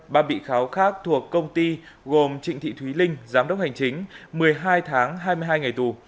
ba bị cáo khác thuộc công ty gồm trịnh thị thúy linh giám đốc hành chính một mươi hai tháng hai mươi hai ngày tù